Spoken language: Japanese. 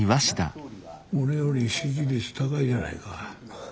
俺より支持率高いじゃないか。